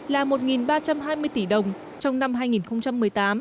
là một ba trăm hai mươi tỷ đồng trong năm hai nghìn một mươi tám